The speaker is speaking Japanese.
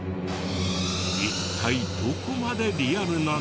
一体どこまでリアルなの？